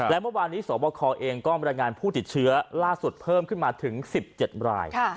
และเมื่อวานนี้สวบคเองก็บรรยายงานผู้ติดเชื้อล่าสุดเพิ่มขึ้นมาถึง๑๗ราย